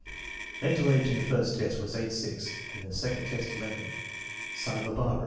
Mental age in the first test was 8 6 and in the second test 11. Son of a barber.